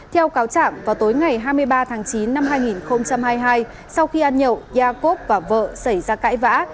ba tháng chín năm hai nghìn hai mươi hai sau khi ăn nhậu iacob và vợ xảy ra cãi vã